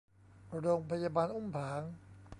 โรงพยาบาลอุ้มผาง